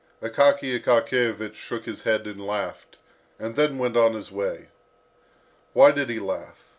Akaky Akakiyevich shook his head, and laughed, and then went on his way. Why did he laugh?